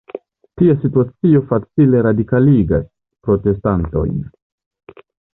Tia situacio facile radikaligas protestantojn.